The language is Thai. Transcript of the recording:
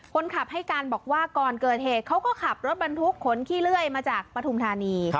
คนขับให้การบอกว่าก่อนเกิดเหตุเขาก็ขับรถบรรทุกขนขี้เลื่อยมาจากปฐุมธานี